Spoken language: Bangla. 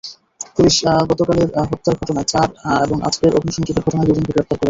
পুলিশ গতকালের হত্যার ঘটনায় চার এবং আজকের অগ্নিসংযোগের ঘটনায় দুজনকে গ্রেপ্তার করেছে।